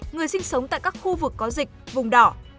người sinh sống tại các khu vực có dịch vùng đỏ